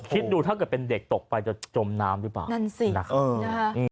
คิดดูถ้าเกิดเป็นเด็กตกไปจะจมน้ำหรือเปล่านั่นสินะครับ